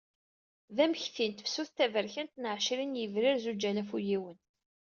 D amekti n tefsut taberkant n εecrin deg yebrir zuǧ alaf u yiwen.